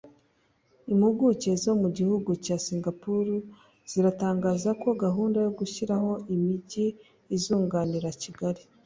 Impuguke zo mu gihugu cya Singapore ziratangaza ko gahunda yo gushyiraho imijyi izunganira Kigali